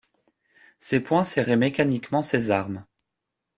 Ses poings serraient mécaniquement ses armes.